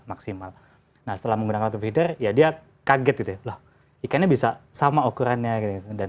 maksimal nah setelah menggunakan waktu feeder ya dia kaget gitu ya ikannya bisa sama ukurannya dan